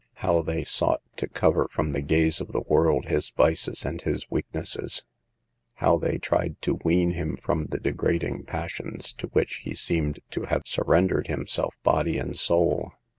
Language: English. How they sought to cover from the gaze of the world his vices and his weaknesses ! How they tried to wean him A PAGE FEOM BEAL LIFE. 13 from the degrading passions to which he seemed to have surrendered himself, body and soul!